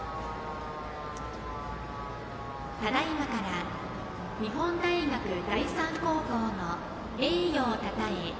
ただいまから日本大学第三高校の栄誉をたたえ